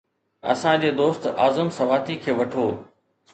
اسان جي دوست اعظم سواتي کي وٺو.